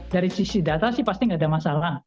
dari sisi data sih pasti nggak ada masalah